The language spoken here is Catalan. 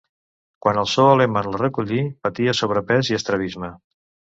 Quan el zoo alemany la recollí, patia sobrepès i estrabisme.